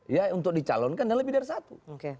ya untuk dicalonkan dan lebih dari satu